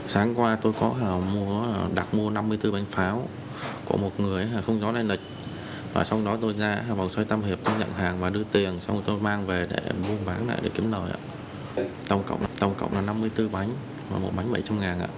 sáng qua tôi có đặt mua năm mươi bốn bánh pháo của một người không rõ nơi lịch